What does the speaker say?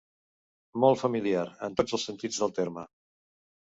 Molt familiar, en tots els sentits del terme.